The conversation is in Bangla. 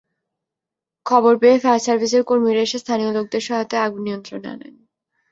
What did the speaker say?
খবর পেয়ে ফায়ার সার্ভিসের কর্মীরা এসে স্থানীয় লোকদের সহায়তায় আগুন নিয়ন্ত্রণে আনেন।